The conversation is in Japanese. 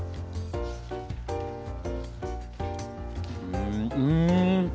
うんうん！